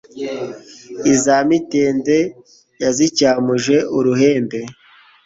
Iza Mitende yazicyamuje uruhembe,